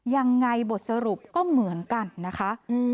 ยังไงบทสรุปก็เหมือนกันนะคะ